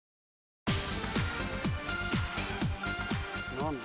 何だ？